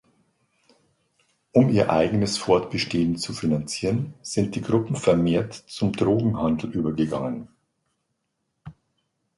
Um ihr eigenes Fortbestehen zu finanzieren, sind die Gruppen vermehrt zum Drogenhandel übergegangen.